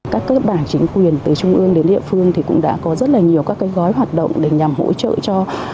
các cơ bản chính quyền từ trung ương đến địa phương cũng đã có rất nhiều các gói hoạt động để nhằm hỗ trợ cho